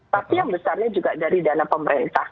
tapi yang besarnya juga dari dana pemerintah